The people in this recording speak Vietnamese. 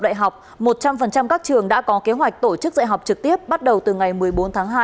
đại học một trăm linh các trường đã có kế hoạch tổ chức dạy học trực tiếp bắt đầu từ ngày một mươi bốn tháng hai